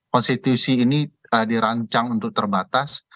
konstitusi ini dirancang untuk terbatas